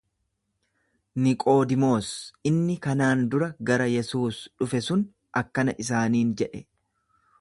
Niqoodimoos inni kanaan dura gara Yesuus dhufe sun akkana isaaniin jedhe.